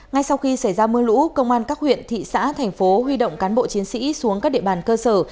ngay sau khi xảy ra mưa lũ công an các huyện thị xã thành phố huy động cán bộ chiến sĩ xuống các địa bàn cơ sở